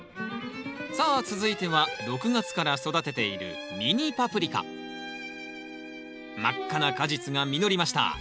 さあ続いては６月から育てている真っ赤な果実が実りました。